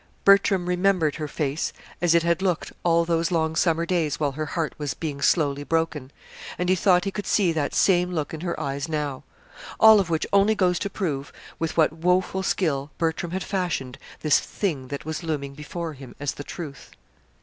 Bertram remembered her face as it had looked all those long summer days while her heart was being slowly broken; and he thought he could see that same look in her eyes now. All of which only goes to prove with what woeful skill Bertram had fashioned this Thing that was looming before him as The Truth.